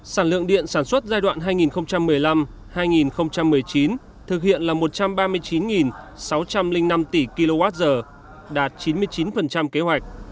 sản lượng điện sản xuất giai đoạn hai nghìn một mươi năm hai nghìn một mươi chín thực hiện là một trăm ba mươi chín sáu trăm linh năm tỷ kwh đạt chín mươi chín kế hoạch